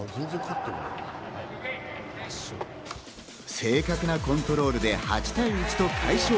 正確なコントロールで８対１と快勝。